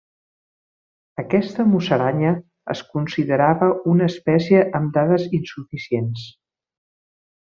Aquesta musaranya es considerava una espècie amb "dades insuficients".